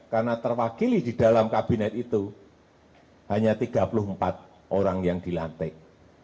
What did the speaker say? karena terwakili di dalam kabinet itu hanya tiga puluh empat orang yang dilantik